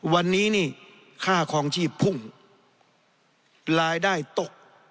วันนี้นี่ค่าคลองชีพพุ่งรายได้ตก